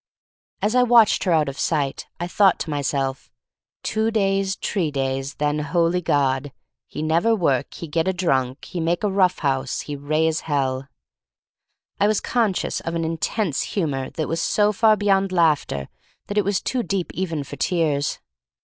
As I watched her out of sight I thought to myself: "Two days, t*ree days, then — holy God! he never work, he git a drunk, he make a rough house, he raise hell." I was conscious of an intense humor that was so far beyond laughter that it was too deep even for tears.